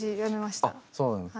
あそうなんです？